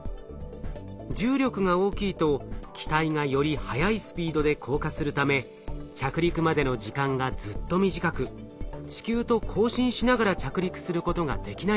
重力が大きいと機体がより速いスピードで降下するため着陸までの時間がずっと短く地球と交信しながら着陸することができないんです。